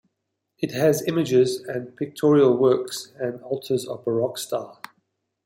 It has images, pictorial works, and altars of Baroque style.